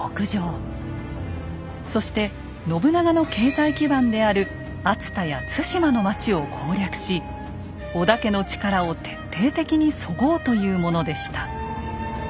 そして信長の経済基盤である熱田や津島の町を攻略し織田家の力を徹底的にそごうというものでした。